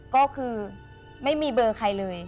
ก็คือไม่มีเบอร์ใครเลย